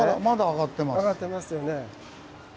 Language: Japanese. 上がってますよね。